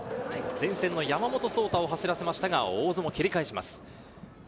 前線の山本颯太を走らせましたが、大津も蹴り返します。